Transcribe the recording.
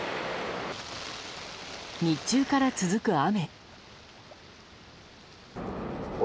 日中から続く雨。